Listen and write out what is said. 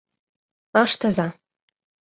Ыштыза!»